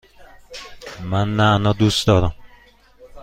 من نعنا دوست دارم.